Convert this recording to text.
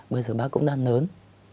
bây giờ bác cũng đã lớn